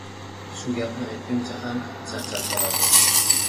Shu gapni aytguncha ham charchab qoladi.